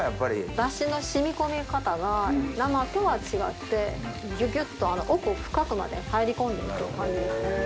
ダシの染み込み方が生とは違ってぎゅぎゅっと奥深くまで入り込んで行く感じですね。